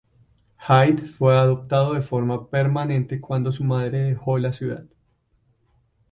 Hyde fue adoptado de forma permanente cuando su madre dejó la ciudad.